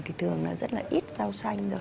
thì thường là rất nhiều rau xanh rất nhiều quả chín